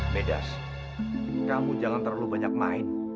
medas kamu jangan terlalu banyak main